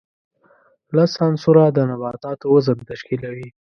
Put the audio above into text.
لس عنصره د نباتاتو وزن تشکیلوي.